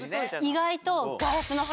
意外と。